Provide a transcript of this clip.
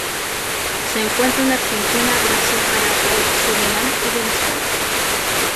Se encuentra en Argentina, Brasil, Paraguay, Surinam y Venezuela.